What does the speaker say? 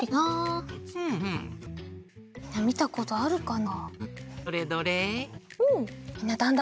みんなみたことあるかな？